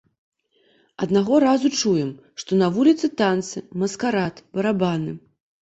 Аднаго разу чуем, што на вуліцы танцы, маскарад, барабаны.